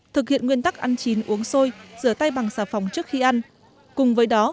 thực hiện nguyên tắc ăn chín uống sôi rửa tay bằng xà phòng trước khi ăn cùng với đó